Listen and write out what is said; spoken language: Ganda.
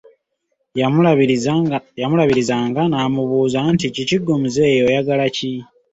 Yamulabiriza nga n'amubuuza nti, kiki ggwe muzeeyi, oyagala ki?